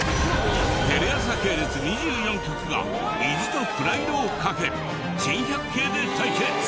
テレ朝系列２４局が意地とプライドをかけ珍百景で対決！